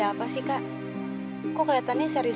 tapi rasanya states powers makanya